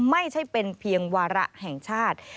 ไม่ใช่เป็นเพียงวาระแห่งชาติ